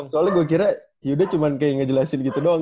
soalnya gue kira yaudah cuma kayak ngejelasin gitu doang